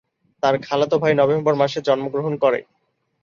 তার খালাতো ভাই নভেম্বর মাসে জন্মগ্রহণ করে।